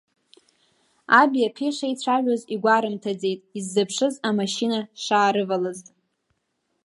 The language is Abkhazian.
Аби аԥеи шеицәажәоз игәарымҭаӡеит иззыԥшыз амашьына шаарывалаз.